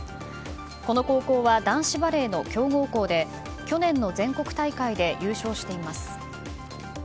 この高校は男子バレーの強豪校で去年の全国大会で優勝しています。